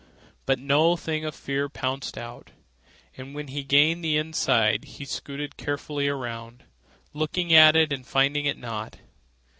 But no thing of fear pounced out, and when he had gained the inside he scouted carefully around, looking at it and finding it not.